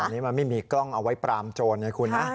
อันนี้มันไม่มีกล้องเอาไว้ปรามโจรไงคุณนะ